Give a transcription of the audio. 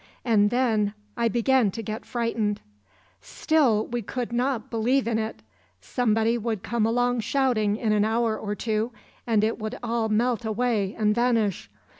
And then I began to get frightened. "Still we could not believe in it. Somebody would come along shouting in an hour or two and it would all melt away and vanish.